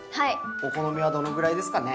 お好みはどのぐらいですかね？